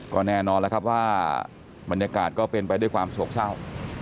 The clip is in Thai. ก็แน่นอนแล้วครับว่าบรรยากาศก็เป็นไปด้วยความโศกเศร้า